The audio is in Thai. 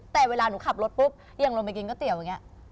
แต่เวลาขับรถปุ๊บอย่างลงมากินก๋อเตี๊ยวกันแบบนี้